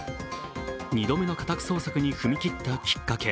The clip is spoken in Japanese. ２度目の家宅捜索に踏み切ったきっかけ。